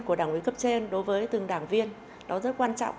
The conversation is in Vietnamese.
của đảng quý cấp trên đối với từng đảng viên đó rất quan trọng